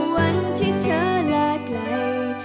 วันที่เธอลากล่าย